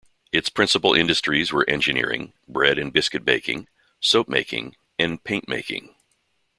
Its principal industries were engineering, bread and biscuit baking, soap-making and paint-making.